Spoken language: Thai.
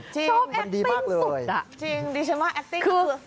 ชอบแอคติ้งสุด